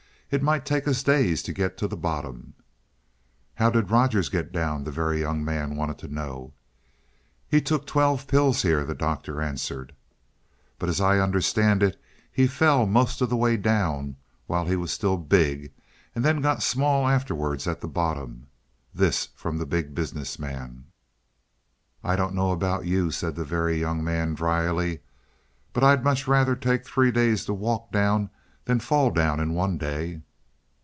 It might take us days to get to the bottom." "How did Rogers get down?" the Very Young Man wanted to know. "He took the twelve pills here," the Doctor answered. "But as I understand it, he fell most of the way down while he was still big, and then got small afterwards at the bottom." This from the Big Business Man. "I don't know how about you," said the Very Young Man drily, "but I'd much rather take three days to walk down than fall down in one day."